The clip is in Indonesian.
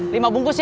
lima bungkus ya